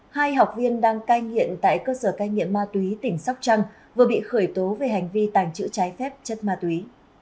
hai học viên đang cai nghiện tại cơ sở cai nghiện ma túy tỉnh sóc trăng vừa bị khởi tố về hành vi tàng trữ trái phép chất ma túy